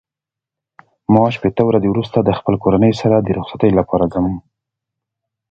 ما شپېته ورځې وروسته د خپل کورنۍ سره د رخصتۍ لپاره ځم.